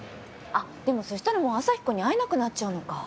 あっでもそしたらもうアサヒくんに会えなくなっちゃうのか。